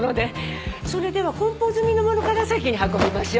それでは梱包済みのものから先に運びましょう。